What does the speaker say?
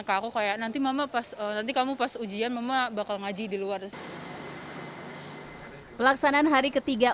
ke aku kayak nanti mama pas nanti kamu pas ujian mama bakal ngaji di luar pelaksanaan hari ketiga